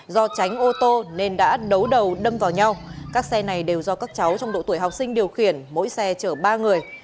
do tránh ô tô nên đã đấu đầu đâm vào nhau các xe này đều do các cháu trong độ tuổi học sinh điều khiển mỗi xe chở ba người